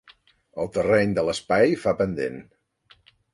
El terreny de l'espai fa pendent.